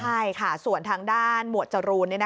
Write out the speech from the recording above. ใช่ค่ะส่วนทางด้านหมวดจรูน